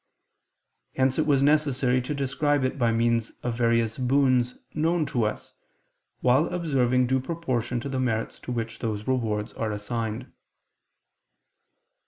Hence it was necessary to describe it by means of various boons known to us, while observing due proportion to the merits to which those rewards are assigned.